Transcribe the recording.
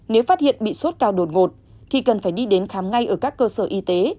nếu phát hiện bị sốt cao đột ngột thì cần phải đi đến khám ngay ở các cơ sở y tế